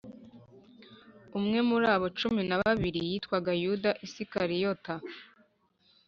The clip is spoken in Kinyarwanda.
umwe muri abo cumi na babiri witwaga Yuda Isikariyota